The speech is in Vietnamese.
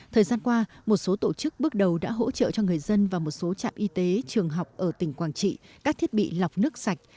thời gian qua một số tổ chức bước đầu đã hỗ trợ cho người dân và một số trạm y tế trường học ở tỉnh quảng trị các thiết bị lọc nước sạch